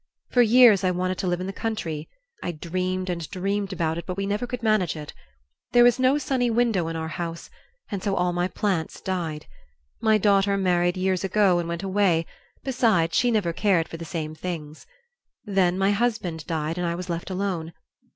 For years I wanted to live in the country. I dreamed and dreamed about it; but we never could manage it. There was no sunny window in our house, and so all my plants died. My daughter married years ago and went away besides, she never cared for the same things. Then my husband died and I was left alone.